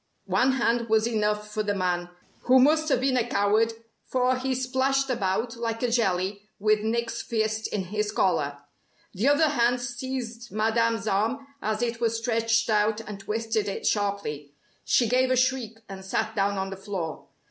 One hand was enough for the man, who must have been a coward for he splashed about like a jelly with Nick's fist in his collar. The other hand seized Madame's arm as it was stretched out, and twisted it sharply. She gave a shriek, and sat down on the floor.